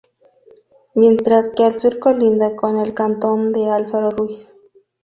Mientras que al sur colinda con el cantón de Alfaro Ruiz.